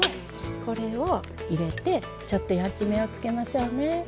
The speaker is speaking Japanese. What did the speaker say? これを入れてちょっと焼き目をつけましょうね。